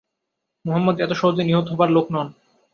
মুহাম্মাদ এত সহজে নিহত হবার লোক নন।